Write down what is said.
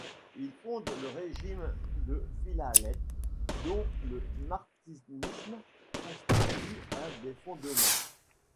Il fonde le régime des Philalèthes, dont le martinisme constitue un des fondements.